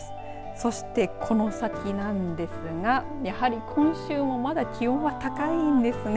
そしてこの先なんですがやはり今週もまだ気温は高いんですね。